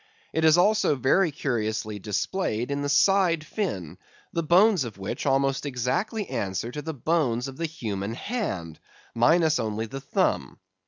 It is also very curiously displayed in the side fin, the bones of which almost exactly answer to the bones of the human hand, minus only the thumb.